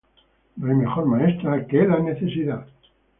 No hay mejor maestra que la necesidad.